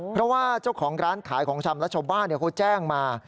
เพราะว่าเจ้าของร้านขายของชำและชาวบ้านเขาแจ้งมา